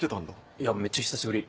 いやめっちゃ久しぶり。